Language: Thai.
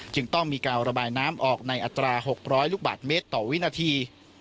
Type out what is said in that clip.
จึงต้องมีการระบายน้ำออกในอัตรา๖๐๐ลูกบาทเมตรต่อวินาที